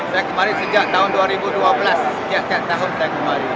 saya kemari sejak tahun dua ribu dua belas setiap tahun saya kemari